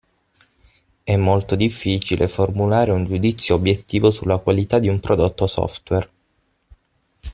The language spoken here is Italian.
È molto difficile formulare un giudizio obiettivo sulla qualità di un prodotto software.